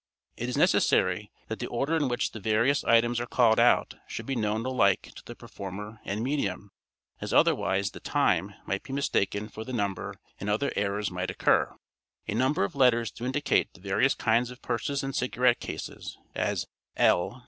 It is necessary that the order in which the various items are called out should be known alike to the performer and medium, as otherwise the "time" might be mistaken for the "number," and other errors might occur. A number of letters to indicate the various kinds of purses and cigarette cases, as "L."